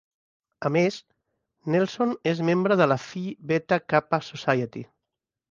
A més, Nelson és membre de la Phi Beta Kappa Society.